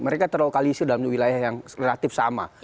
mereka terlokalisir dalam wilayah yang relatif sama